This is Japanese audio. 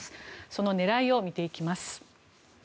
その狙いを見ていきます。